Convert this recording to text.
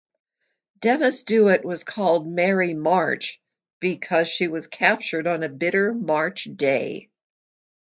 Demasduit was called Mary March because she was captured on a bitter March day.